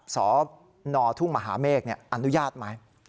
สนทุ่งมหาเมฆอนุญาตไหม